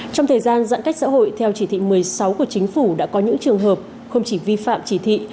trong thời gian giãn cách xã hội theo chỉ thị một mươi sáu của chính phủ đã có những trường hợp không chỉ vi phạm chỉ thị